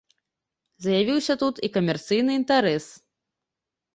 З'явіўся тут і камерцыйны інтарэс.